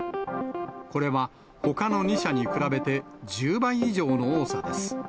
これはほかの２社に比べて、１０倍以上の多さです。